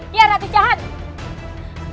dia ratu jahat